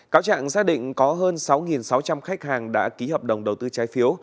cáo trạng xác định có hơn sáu sáu trăm linh khách hàng đã ký hợp đồng đầu tư trái phiếu